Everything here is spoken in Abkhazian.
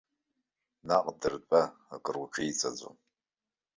Наҟ дыртәа, акруҿеиҵаӡом.